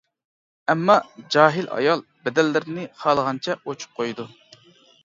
ئەمما جاھىل ئايال بەدەنلىرىنى خالىغانچە ئوچۇق قويىدۇ.